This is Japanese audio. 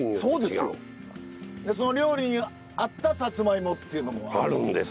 その料理に合ったさつまいもっていうのもあるし。